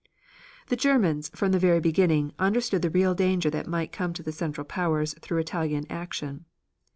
The Germans from the very beginning understood the real danger that might come to the Central Powers through Italian action.